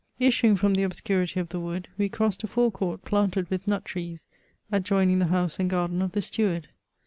Issuing from the obscurity of the wood, we crossed a fore court planted with nut trees, adjoining the house and garden of the steward.